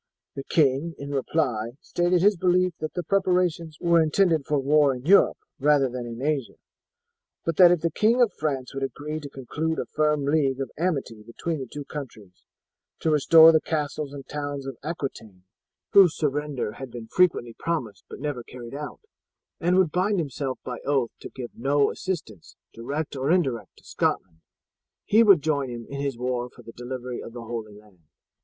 The king in reply stated his belief that the preparations were intended for war in Europe rather than in Asia; but that if the King of France would agree to conclude a firm league of amity between the two countries, to restore the castles and towns of Aquitaine, whose surrender had been frequently promised but never carried out, and would bind himself by oath to give no assistance, direct or indirect, to Scotland, he would join him in his war for the delivery of the Holy Land."